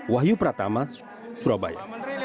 wahyu pratama surabaya